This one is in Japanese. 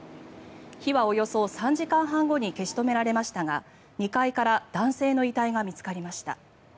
火はおよそ３時間半後に消し止められましたが２階から男性の遺体が見つかりました。